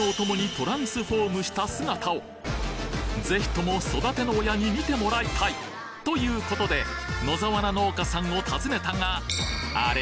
トランスフォームした姿を是非とも育ての親に見てもらいたい！ということで野沢菜農家さんを訪ねたがあれ？